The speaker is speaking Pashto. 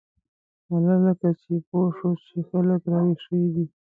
غله لکه چې پوه شول چې خلک را وېښ شوي دي.